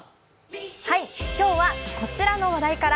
今日はこちらの話題から。